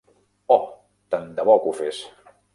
Oh! Tant de bo que ho fes!